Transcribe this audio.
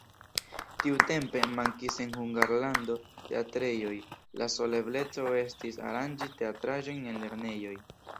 Tiutempe mankis en Hungarlando teatrejoj, la sola ebleco estis aranĝi teatraĵojn en lernejoj.